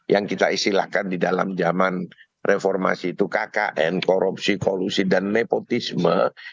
yang kita istilahkan di dalam zaman reformasi itu kkn korupsi kolusi dan nepotisme